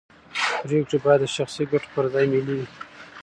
پرېکړې باید د شخصي ګټو پر ځای ملي وي